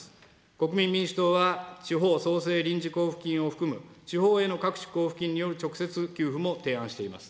国民民主党は、地方創生臨時交付金を含む地方への各種交付金による直接給付も提案しています。